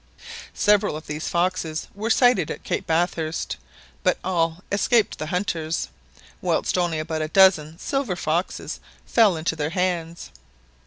Several of these foxes were sighted at Cape Bathurst, but all escaped the hunters; whilst only about a dozen silver foxes fell into their hands.